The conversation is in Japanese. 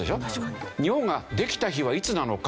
日本ができた日はいつなのか？